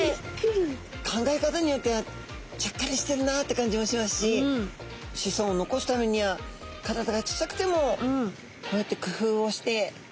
考え方によってはちゃっかりしてるなって感じもしますし子孫を残すためには体が小さくてもこうやってくふうをしてがんばるというか。